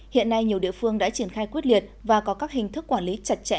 hiện nay nhiều địa phương đã triển khai quyết liệt và có các hình thức quản lý chặt chẽ